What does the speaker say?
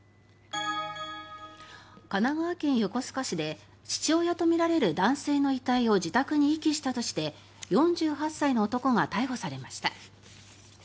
神奈川県横須賀市で父親とみられる男性の遺体を自宅に遺棄したとして４８歳の男が逮捕されました。